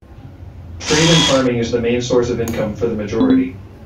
Trade and farming is the main source of income for the majority.